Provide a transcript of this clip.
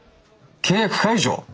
契約解除！？